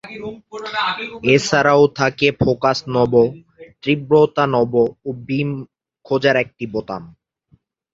এছাড়াও থাকে focus knob, তীব্রতা নব ও বীম খোঁজার একটি বোতাম।